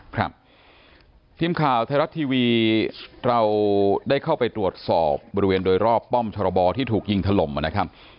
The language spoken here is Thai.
ครับทีมข่าวไทยรัฐทีวีเราได้เข้าไปตรวจสอบบริเวณโดยรอบป้อมชรบที่ถูกยิงถล่มนะครับ